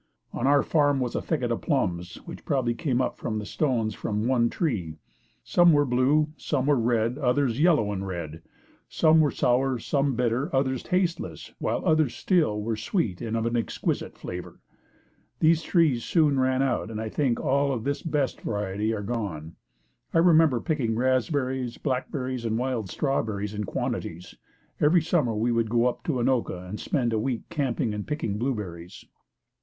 On our farm was a thicket of plums which probably came up from the stones from one tree. Some were blue, some red, others yellow and red. Some were sour, some bitter, others tasteless, while others still, were sweet and of an exquisite flavor. These trees soon ran out and I think all of this best variety are gone. I remember picking raspberries, blackberries and wild strawberries in quantities. Every summer we would go up to Anoka and spend a week camping and picking blueberries.